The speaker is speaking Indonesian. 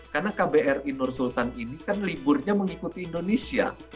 karena kbri nur sultan ini kan liburnya mengikuti indonesia